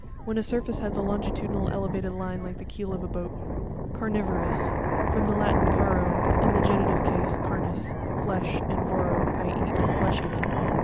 When a surface has a longitudinal elevated line like the keel of a boat. Carn' vorous.—From the Latin, caro, in the genitive case, carnis, flesh, and voro, leat. Flesh eating.